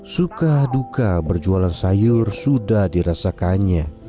suka duka berjualan sayur sudah dirasakannya